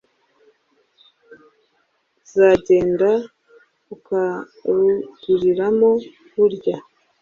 uzagenda ukaruguriramo burya